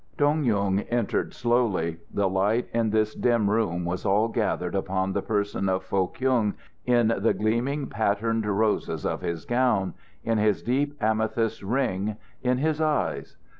Dong Yung entered slowly. The light in this dim room was all gathered upon the person of Foh Kyung, in the gleaming patterned roses of his gown, in his deep amethyst ring, in his eyes.